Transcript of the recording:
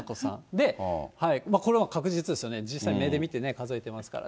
で、このほうが確実ですよね、実際に目で見てね、数えてますから。